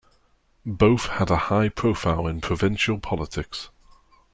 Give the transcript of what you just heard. Both had a high profile in provincial politics.